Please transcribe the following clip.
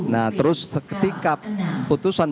nah terus ketika putusan